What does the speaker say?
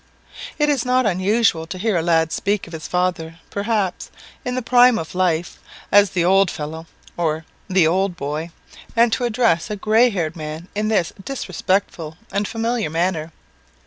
It is not unusual to hear a lad speak of his father, perhaps, in the prime of life, as the "old fellow," the "old boy," and to address a grey haired man in this disrespectful and familiar manner.